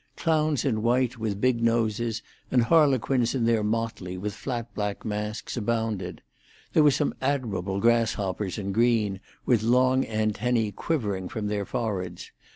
Clowns in white, with big noses, and harlequins in their motley, with flat black masks, abounded. There were some admirable grasshoppers in green, with long antennae quivering from their foreheads.